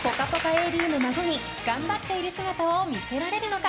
ＡＤの孫に頑張っている姿を見せられるのか。